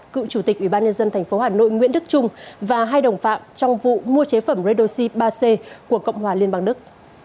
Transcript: cựu chủ tịch ủy ban nhân dân tp hà nội nguyễn đức trung và hai đồng phạm trong vụ mua chế phẩm redoxy ba c của cộng hòa liên bang đức